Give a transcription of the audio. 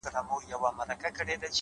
باور د عمل جرئت زیاتوي’